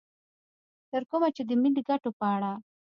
تر کومه چې د ملي ګټو په اړه